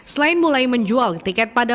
selain mulai menjual tiket pada h sembilan puluh